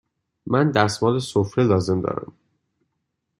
من دستمال سفره لازم دارم.